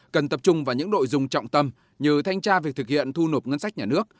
cần tập trung vào những nội dung trọng tâm như thanh tra việc thực hiện thu nộp ngân sách nhà nước